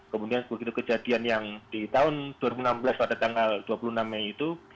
kemudian begitu kejadian yang di tahun dua ribu enam belas pada tanggal dua puluh enam mei itu